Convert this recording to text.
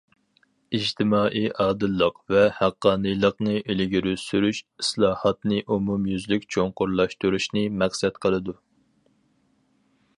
ئىجتىمائىي ئادىللىق ۋە ھەققانىيلىقنى ئىلگىرى سۈرۈش ئىسلاھاتنى ئومۇميۈزلۈك چوڭقۇرلاشتۇرۇشنى مەقسەت قىلىدۇ.